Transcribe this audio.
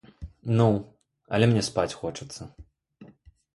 Ну, але мне спаць хочацца!